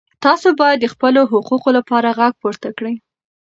تاسو باید د خپلو حقوقو لپاره غږ پورته کړئ.